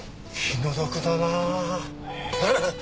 気の毒だなあ。